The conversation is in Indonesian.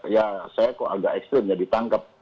ya saya kok agak ekstrim ya ditangkap